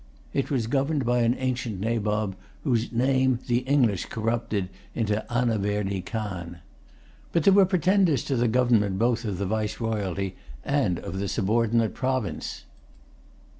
It was governed by an ancient Nabob, whose name the English corrupted into Anaverdy Khan. But there were pretenders to the government both of the viceroyalty and of the subordinate province.